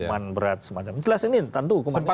hukuman berat semacamnya jelas ini tentu